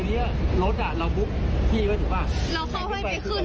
อ๋อแบบว่านี้ล่ะรถเราบุ๊คเถอะพี่เข้าให้ไปขึ้น